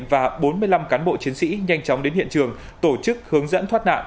và bốn mươi năm cán bộ chiến sĩ nhanh chóng đến hiện trường tổ chức hướng dẫn thoát nạn